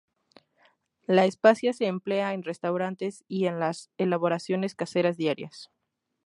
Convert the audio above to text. La especia se emplea en restaurantes y en las elaboraciones caseras diarias.